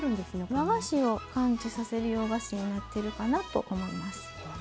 和菓子を感じさせる洋菓子になってるかなと思います。